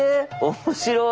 面白い！